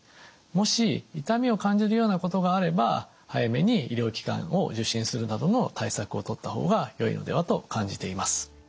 もし痛みを感じるようなことがあれば早めに医療機関を受診するなどの対策をとった方がよいのではと感じています。